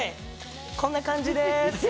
こんな感じです。